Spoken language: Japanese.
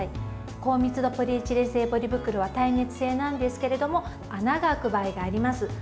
高密度ポリエチレン製ポリ袋は耐熱性なんですけれども穴が開く場合があります。